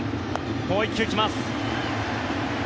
もう１球、来ます。